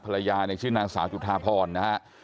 ภรรยาชื่อนางสาวจุธาพรนะครับ